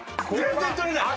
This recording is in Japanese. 全然取れない！